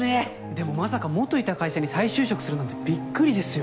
でもまさか元いた会社に再就職するなんてびっくりですよ。